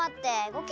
って